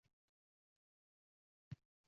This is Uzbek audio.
Sizning borligingiz mening uchun baxt